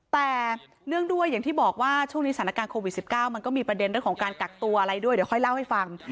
แต่เนื่องด้วยอย่างที่บอกว่าช่วงนี้สถานการณ์โควิด๑๙มันก็มีประเด็นเรื่องของการกักตัวอะไรด้วยเดี๋ยวค่อยเล่าให้ฟัง